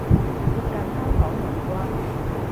貼近香港人啩